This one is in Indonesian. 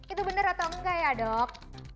itu benar atau enggak ya dok